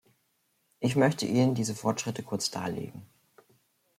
Ich möchte Ihnen diese Fortschritte kurz darlegen.